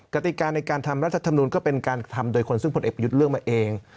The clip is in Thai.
กติกาในการทำรัฐธรรมนูลก็เป็นการกระทำโดยคนซึ่งผลเอกประยุทธ์เลือกมาเอง